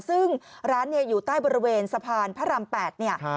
ซึ่งร้านเนี่ยอยู่ใต้บริเวณสะพานพระราม๘เนี่ย